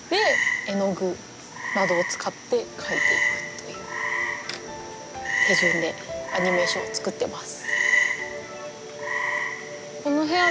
という手順でアニメーションを作ってます。